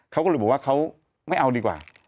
เขาก็เลยบอกว่าเขาไม่เอาดีกว่า